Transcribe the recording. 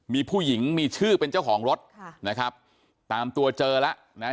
มีผู้หญิงมีชื่อเป็นเจ้าของรถค่ะนะครับตามตัวเจอแล้วนะฮะ